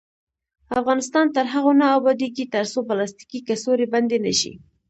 افغانستان تر هغو نه ابادیږي، ترڅو پلاستیکي کڅوړې بندې نشي.